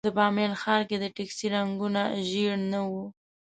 د بامیان ښار کې د ټکسي رنګونه ژېړ نه وو.